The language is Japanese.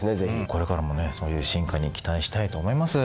これからもねそういう進化に期待したいと思います。